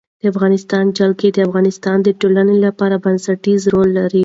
د افغانستان جلکو د افغانستان د ټولنې لپاره بنسټيز رول لري.